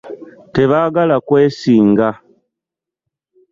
Tebagala kwesinga.